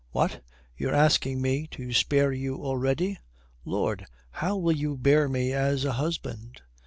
"What, you're asking me to spare you already? Lord, how will you bear me as a husband?"